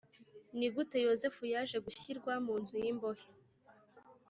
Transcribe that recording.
Ni gute Yozefu yaje gushyirwa mu nzu y imbohe